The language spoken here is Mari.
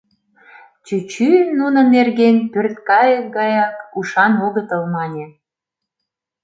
Чӱчӱ нунын нерген «пӧрткайык гаяк ушан огытыл» мане.